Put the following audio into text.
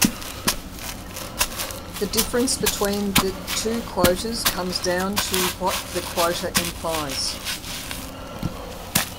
The difference between the two quotas comes down to what the quota implies.